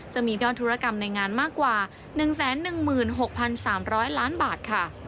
จะมียอดธุรกรรมในงานมากกว่า๑๑๖๓๐๐ล้านบาทค่ะ